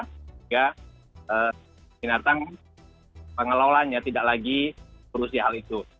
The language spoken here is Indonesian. sehingga binatang pengelolanya tidak lagi mengurusi hal itu